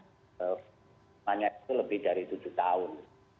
semuanya itu lebih dari tujuh tahun